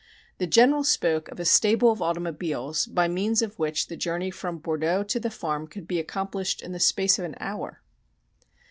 The General spoke of a stable of automobiles by means of which the journey from Bordeaux to the farm could be accomplished in the space of an hour.